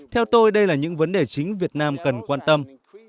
theo tôi đây là những vấn đề chính việt nam cần quan tâm